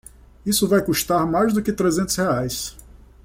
Isso vai custar mais do que trezentos reais.